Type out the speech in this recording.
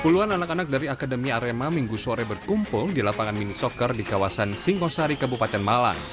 puluhan anak anak dari akademi arema minggu sore berkumpul di lapangan mini soccer di kawasan singkosari kabupaten malang